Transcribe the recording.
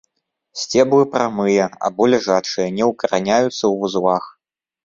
Сцеблы прамыя або ляжачыя, не укараняюцца ў вузлах.